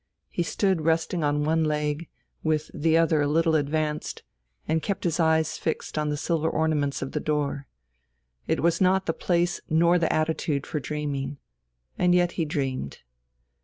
He stood resting on one leg, with the other a little advanced, and kept his eyes fixed on the silver ornaments of the door. It was not the place nor the attitude for dreaming, and yet he dreamed.